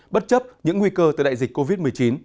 bất chấp những nguy cơ từ đại dịch covid một mươi chín